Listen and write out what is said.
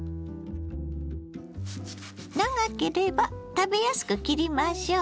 長ければ食べやすく切りましょう。